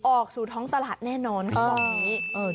ออกสู่ท้องตลาดแน่นอนคือบอกนี้